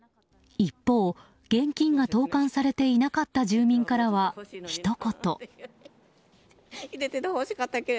一方、現金が投函されていなかった住民からはひと言。